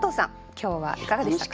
今日はいかがでしたか？